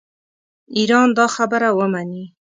ایران دا خبره ومني.